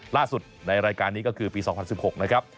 ในรายการนี้ก็คือปี๒๐๑๖นะครับ